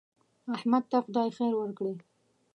احمد ته خدای خیر ورکړي.